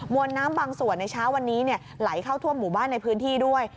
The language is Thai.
วนน้ำบางส่วนในเช้าวันนี้ไหลเข้าท่วมหมู่บ้านในพื้นที่ด้วย